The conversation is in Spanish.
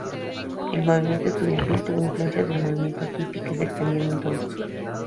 El movimiento estudiantil tuvo influencias del movimiento "hippie" que se extendía entonces.